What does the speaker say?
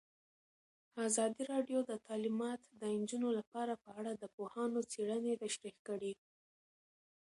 ازادي راډیو د تعلیمات د نجونو لپاره په اړه د پوهانو څېړنې تشریح کړې.